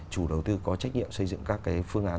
chủ đầu tư có trách nhiệm xây dựng các phương án